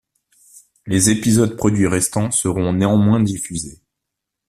Les épisodes produits restants seront néanmoins diffusés.